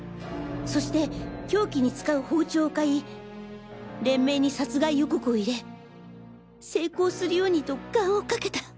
そして凶器に使う包丁を買い連盟に殺害予告を入れ成功するようにと願をかけた。